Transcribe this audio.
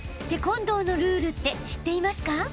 ［テコンドーのルールって知っていますか？］